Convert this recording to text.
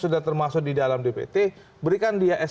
dan itu ada